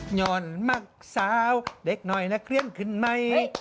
หย่อนมักสาวเด็กหน่อยและเคลื่อนขึ้นใหม่